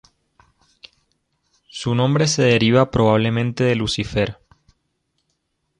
Su nombre se deriva probablemente de Lucifer.